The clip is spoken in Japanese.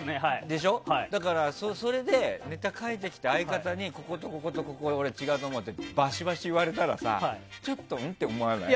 だからそれでネタ書いてきた相方にこことこことこことが違うと思うって言われたらちょっと、うん？って思わない？